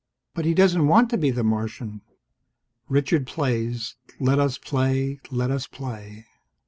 But he doesn't want to be the Martian!" Richard plays. Let us play. Let us play.